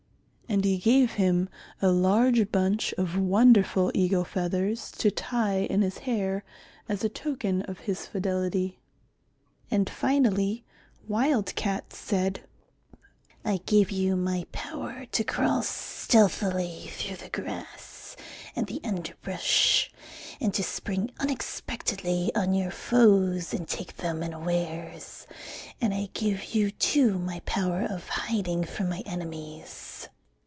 And he gave him a large bunch of wonderful eagle feathers to tie in his hair as a token of his fidelity. And finally, Wild Cat said, "I give you my power to crawl stealthily through the grass and the underbrush and to spring unexpectedly on your foes and take them unawares. And I give you too my power of hiding from my enemies."